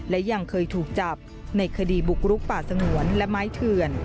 และยังเคยถูกจับในคดีบุกรุกป่าสงวนและไม้เถื่อน